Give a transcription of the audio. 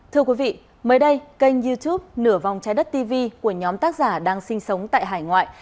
thưa quý vị mới đây kênh youtube nửa vòng trái đất tv của nhóm tác giả đang sinh sống tại hải ngoại